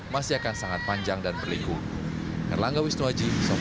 masih akan sangat berharap